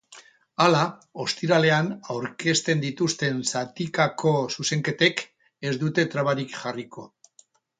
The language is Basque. Hala, ostiralean aurkezten dituzten zatikako zuzenketek ez dute trabarik jarriko.